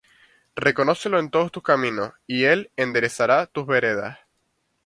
Reconócelo en todos tus caminos, Y él enderezará tus veredas.